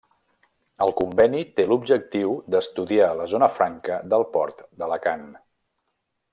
El conveni té l'objectiu d'estudiar la zona franca del Port d'Alacant.